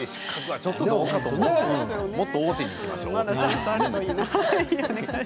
もっと大手にいきましょう。